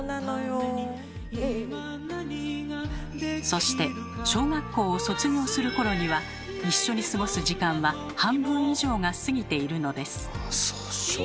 そして小学校を卒業する頃には一緒に過ごす時間は半分以上が過ぎているのです。